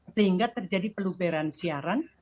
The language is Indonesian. sehingga terjadi pelubaran siaran